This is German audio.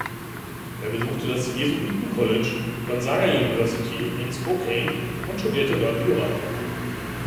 Er besuchte das Jesuiten-College Gonzaga University in Spokane und studierte dort Jura.